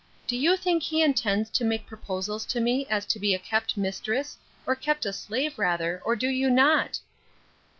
Do you think he intends to make proposals to me as to a kept mistress, or kept slave rather, or do you not?